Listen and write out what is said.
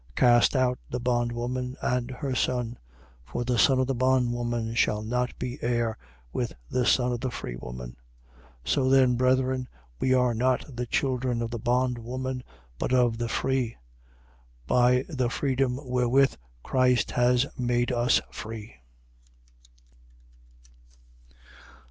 Cast out the bondwoman and her son: for the son of the bondwoman shall not be heir with the son of the free woman. 4:31. So then, brethren, we are not the children of the bondwoman but of the free: by the freedom wherewith Christ has made us free.